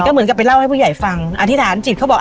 เหมือนกับไปเล่าให้ผู้ใหญ่ฟังอธิษฐานจิตเขาบอก